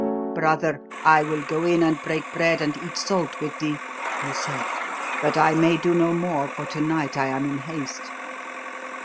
"Brother, I will go in and break bread and eat salt with thee," he said. "But I may do no more, for to night I am in haste."